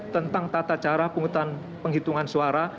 tentang tata cara penghitungan suara